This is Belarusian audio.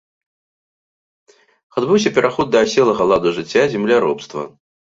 Адбыўся пераход да аселага ладу жыцця, земляробства.